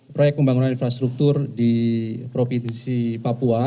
proyek pembangunan infrastruktur di provinsi papua